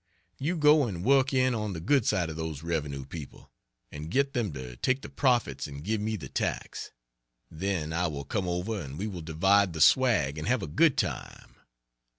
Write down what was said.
You go and work in on the good side of those revenue people and get them to take the profits and give me the tax. Then I will come over and we will divide the swag and have a good time.